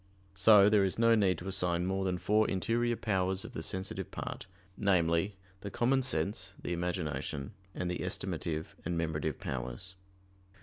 So there is no need to assign more than four interior powers of the sensitive part namely, the common sense, the imagination, and the estimative and memorative powers.